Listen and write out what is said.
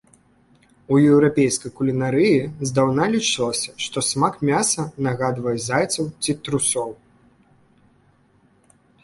У еўрапейскай кулінарыі здаўна лічылася, што смак мяса нагадвае зайцаў ці трусоў.